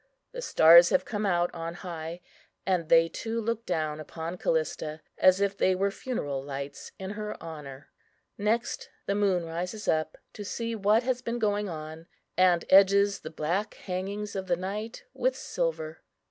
The stars have come out on high, and, they too look down upon Callista, as if they were funeral lights in her honour. Next the moon rises up to see what has been going on, and edges the black hangings of the night with silver.